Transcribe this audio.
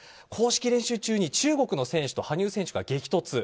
公式練習中に中国の選手と羽生選手が激突。